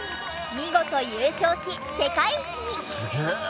見事優勝し世界一に。